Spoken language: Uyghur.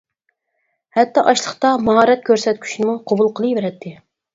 ھەتتا ئاچلىقتا ماھارەت كۆرسەتكۈچىنىمۇ قوبۇل قىلىۋېرەتتى.